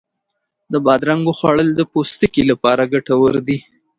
د بادرنګو خوړل د پوستکي لپاره ګټور دی.